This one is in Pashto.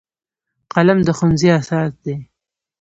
قلم د ښوونځي اساس دی